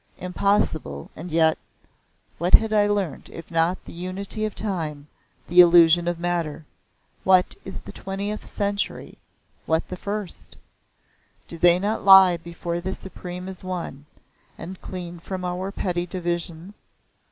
Impossible, and yet what had I learnt if not the unity of Time, the illusion of matter? What is the twentieth century, what the first? Do they not lie before the Supreme as one, and clean from our petty divisions?